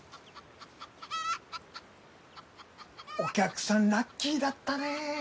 お客さんラッキーだったね！